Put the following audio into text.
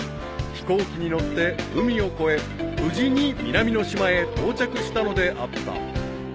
［飛行機に乗って海を越え無事に南の島へ到着したのであった］